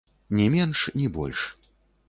Ні менш, ні больш.